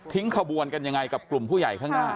ขบวนกันยังไงกับกลุ่มผู้ใหญ่ข้างหน้า